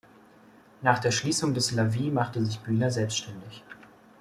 Nach der Schließung des „la vie“ machte sich Bühner selbstständig.